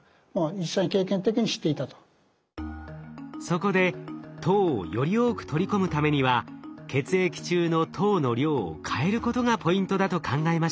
そこで糖をより多く取り込むためには血液中の糖の量を変えることがポイントだと考えました。